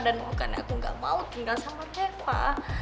dan bukan aku gak mau tinggal sama reva